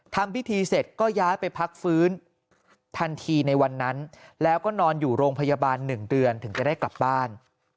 ทำพิธีเสร็จก็ย้ายไปพักฟื้นทันทีในวันนั้นแล้วก็นอนอยู่โรงพยาบาล๑เดือนถึงจะได้กลับบ้าน